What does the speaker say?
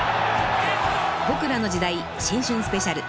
［『ボクらの時代』新春スペシャル］